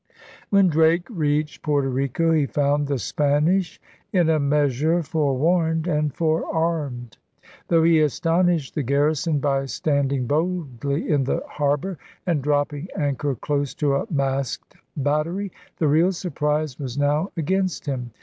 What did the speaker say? When Drake reached Porto Rico, he found the Spanish in a measure forewarned and forearmed. Though he astonished the garrison by standing boldly into the harbor and dropping anchor close to a masked battery, the real surprise was now against him.